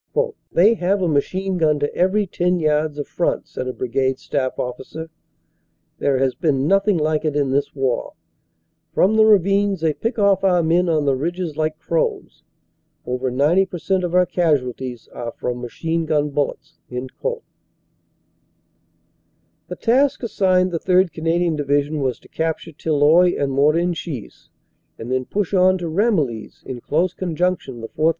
"They have a machine gun to every ten yards of front," said a Brigade staff officer. "There has been nothing like it in this war. From the ravines they pick off our men on the ridges like crows. Over ninety per cent, of our casualties are from machine gun bullets." The task assigned the 3rd. Canadian Division was to cap ture Tilloy and Morenchies, and then push on to Ramillies. In close conjunction the 4th.